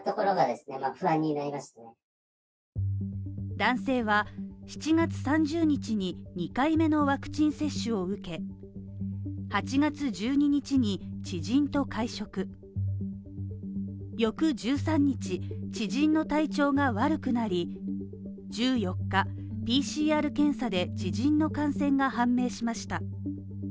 男性は７月３０日に２回目のワクチン接種を受け、８月１２日に知人と会食、翌１３日、知人の体調が悪くなり、１４日ＰＣＲ検査で、知人の感染が判明しました。